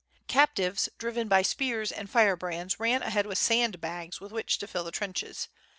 Captives driven by spears and firebrands ran ahead with sand bags with which to fill the trenches.